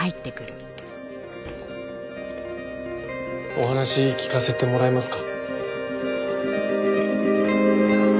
お話聞かせてもらえますか？